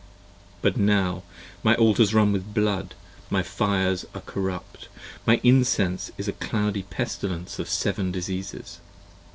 But now, my Altars run with blood, My fires are corrupt, my incense is a cloudy pestilence Of seven diseases!